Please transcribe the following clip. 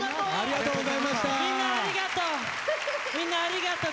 みんなありがとう！